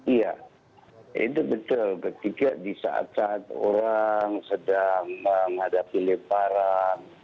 iya itu betul ketika di saat saat orang sedang menghadapi lebaran